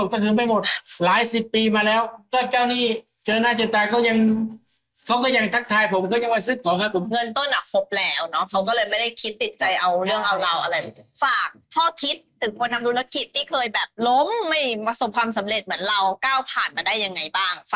ก็คิดแบบเราจะเลือกให้ของคุณทีคุณมากฝากถึงคุณผู้ชมหน่อย